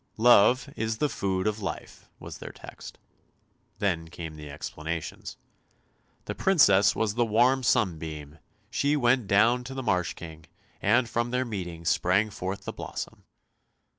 " Love is the food of life," was their text. Then came the explanations. " The Princess was the warm sunbeam; she went down to the Marsh King, and from their meeting sprang forth the blossom."